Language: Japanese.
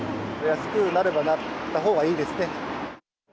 安くなればなったほうがいいですね。